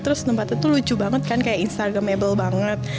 terus tempat itu lucu banget kan kayak instagramable banget